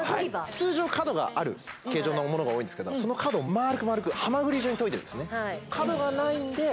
通常角がある形状のものが多いんですけどその角を丸く丸くハマグリ状に研いでるんですね